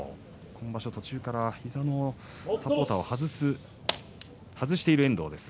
今場所の途中から膝のサポーターを外している遠藤です。